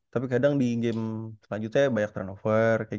tapi kadang di game selanjutnya banyak turnover